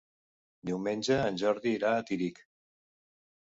Diumenge en Jordi irà a Tírig.